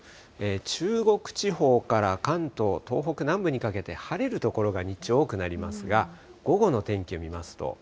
中国地方から関東、東北南部にかけて晴れる所が日中、多くなりますが、午後の天気を見ますと。